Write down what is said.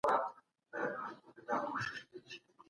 دا يوازې جنګي قوم نه دی.